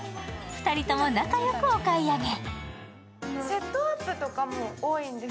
２人とも仲よくお買い上げ。